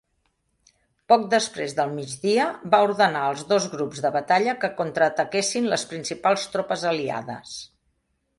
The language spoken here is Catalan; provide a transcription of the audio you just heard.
Poc després del migdia, va ordenar als dos grups de batalla que contraataquessin les principals tropes aliades.